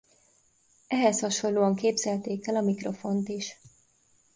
Ehhez hasonlóan képzelték el a mikrofont is.